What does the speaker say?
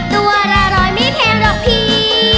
ตัวละร้อยไม่แพงหรอกพี่